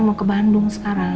mau ke bandung sekarang